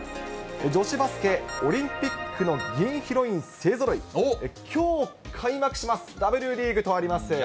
女子バスケ、オリンピックの銀ヒロイン勢ぞろいきょう開幕します、Ｗリーグとあります。